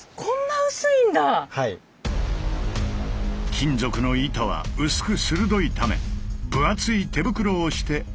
金属の板は薄く鋭いため分厚い手袋をして持たせてもらった。